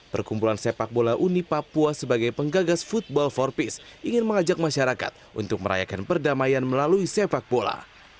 perkumpulan sepak bola uni papua sebagai penggagas football for peace ingin mengajak masyarakat untuk merayakan perdamaian melalui sepak bola